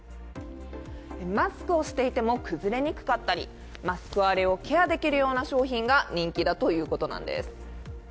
マスクをしていても崩れにくかったりマスク荒れをケアできるような商品が人気だということなんです。